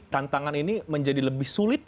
tantangan ini menjadi lebih sulit